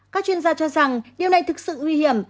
các chuyên gia cho rằng điều này thực sự nguy hiểm